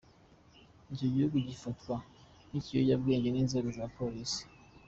Icyo gihugu gifatwa nk’ikiyobowe n’inzego za polisi.